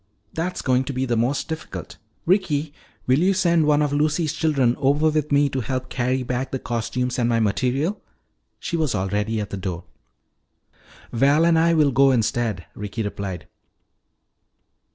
"That's going to be the most difficult. Ricky, will you send one of Lucy's children over with me to help carry back the costumes and my material " She was already at the door. "Val and I will go instead," Ricky replied.